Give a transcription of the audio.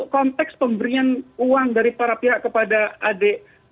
konteks pemberian uang dari para pihak kepada adik